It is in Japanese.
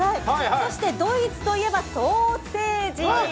そしてドイツといえばソーセージ。